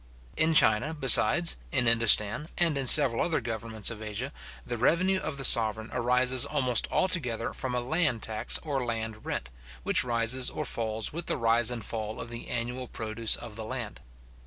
In China, besides, in Indostan, and in several other governments of Asia, the revenue of the sovereign arises almost altogether from a land tax or land rent, which rises or falls with the rise and fall of the annual produce of the land.